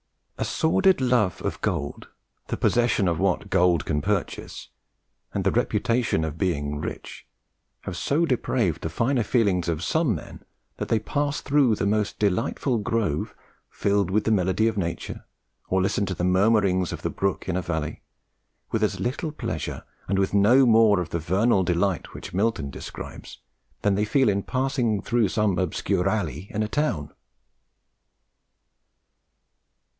A sordid love of gold, the possession of what gold can purchase, and the reputation of being rich, have so depraved the finer feelings of some men, that they pass through the most delightful grove, filled with the melody of nature, or listen to the murmurings of the brook in the valley, with as little pleasure and with no more of the vernal delight which Milton describes, than they feel in passing through some obscure alley in a town."